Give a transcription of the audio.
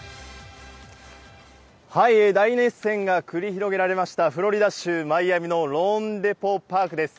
大熱戦が繰り広げられました、フロリダ州マイアミのローンデポ・パークです。